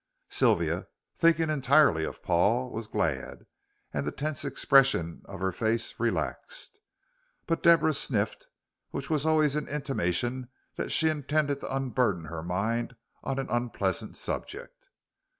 Sylvia, thinking entirely of Paul, was glad, and the tense expression of her face relaxed; but Deborah sniffed, which was always an intimation that she intended to unburden her mind on an unpleasant subject.